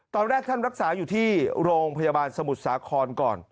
ตอนแรกท่านรักษาอยู่ที่โรงพยาบาลสมุทรสาครก่อน